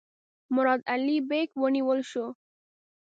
مراد علي بیګ ونیول شو.